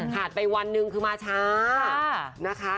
ขาดไปวันหนึ่งคือมาช้า